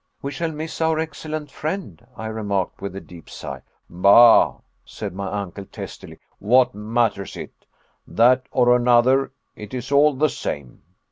"We shall miss our excellent friend," I remarked, with a deep sigh. "Bah!" said my uncle testily, "what matters it? That or another, it is all the same."